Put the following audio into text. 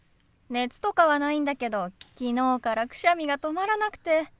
熱とかはないんだけど昨日からくしゃみが止まらなくて。